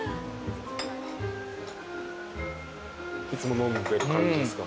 いつも飲んでる感じですか？